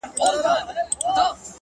ژمنتیا له خوبه عمل جوړوي